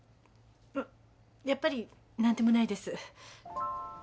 やっぱり何でもないです。